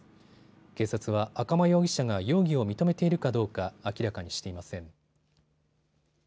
警察は赤間容疑者が容疑を認めているかどうか明らかにしていません。